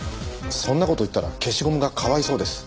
そんな事を言ったら消しゴムがかわいそうです。